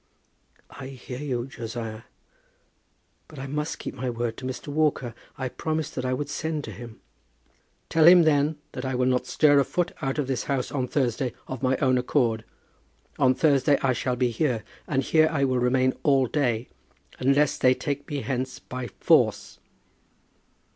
"I hear you, Josiah; but I must keep my word to Mr. Walker. I promised that I would send to him." "Tell him, then, that I will not stir a foot out of this house on Thursday, of my own accord. On Thursday I shall be here; and here I will remain all day, unless they take me hence by force."